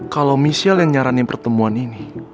kalo michelle yang nyarani pertemuan ini